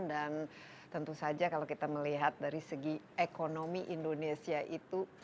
dan tentu saja kalau kita melihat dari segi ekonomi indonesia itu